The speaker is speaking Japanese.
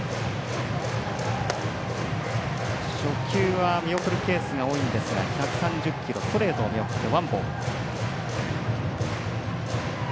初球は見送るケースが多いんですが１３０キロストレートを見送りました。